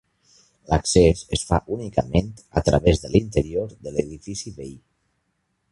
L'accés es fa únicament a través de l'interior de l'edifici veí.